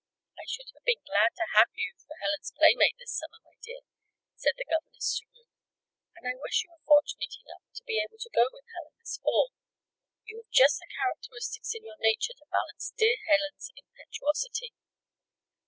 "I should have been glad to have you for Helen's playmate this summer, my dear," said the governess to Ruth. "And I wish you were fortunate enough to be able to go with Helen this fall. You have just the characteristics in your nature to balance dear Helen's impetuosity."